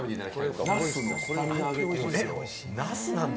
ナスなんだ！